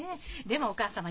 でもお母様